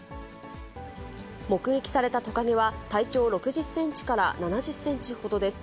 目撃されたトカゲは、体長６０センチから７０センチほどです。